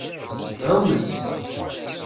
Ɛumen.